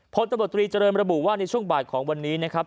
พตรเจริญมระบุว่าในช่วงบาดของวันนี้นะครับ